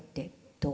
どう？